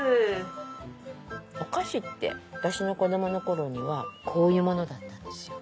お菓子って私の子どもの頃にはこういうものだったんですよ。